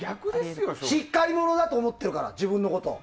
しっかり者だと思ってるから自分のことを。